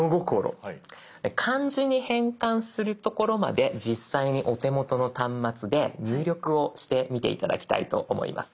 漢字に変換するところまで実際にお手元の端末で入力をしてみて頂きたいと思います。